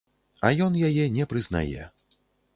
А ён яе не прызнае.